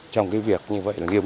trong việc nghiêm cấm